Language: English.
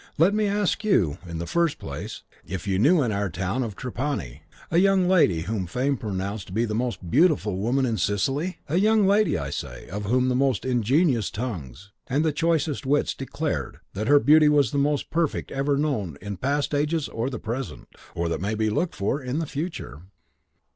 Let me ask you, in the first place, if you knew in our town of Trapani, a young lady whom fame pronounced to be the most beautiful woman in Sicily? A young lady, I say, of whom the most ingenious tongues, and the choicest wits declared that her beauty was the most perfect ever known in past ages or the present, or that may be looked for in the future.